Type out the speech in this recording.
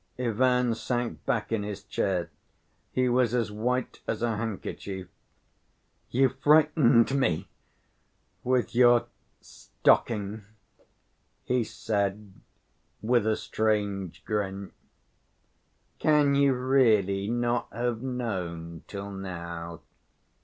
Ivan sank back in his chair. He was as white as a handkerchief. "You frightened me ... with your stocking," he said, with a strange grin. "Can you really not have known till now?"